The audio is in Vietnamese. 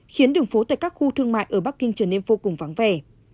khiến đường phố tại các khu thương mại ở bắc kinh trở nên vô cùng vắng vẻ